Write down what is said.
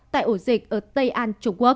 tại ổ dịch ở tây an trung quốc